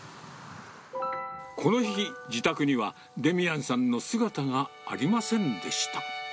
この日、自宅にはデミアンさんの姿がありませんでした。